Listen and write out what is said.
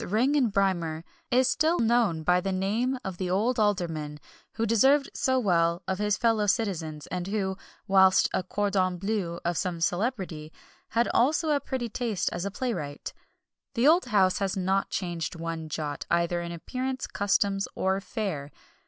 Ring and Brymer, is still known by the name of the old Alderman who deserved so well of his fellow citizens, and who, whilst a cordon bleu of some celebrity, had also a pretty taste as a playwright. The old house has not changed one jot, either in appearance, customs, or fare.